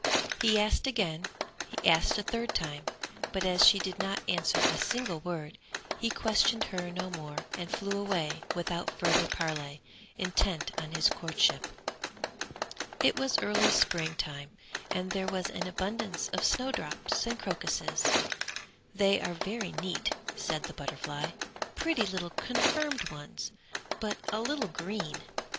He asked again, he asked a third time, but as she did not answer a single word, he questioned her no more and flew away without further parley, intent on his courtship. It was early spring time, and there was an abundance of snow drops and crocuses. "They are very neat," said the butterfly, "pretty little confirmed ones, but a little green!"